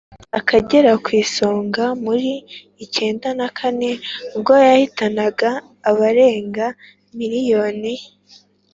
akagera kw'isonga muri icyenda kane ubwo yahitanaga abarenze miliyoni